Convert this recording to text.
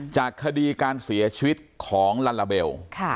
จากคดีการเสียชีวิตของลาลาเบล